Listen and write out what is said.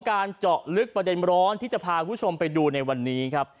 การเจาะลึกประเด็นร้อนที่จะพาคุณผู้ชมไปดูในวันนี้ครับ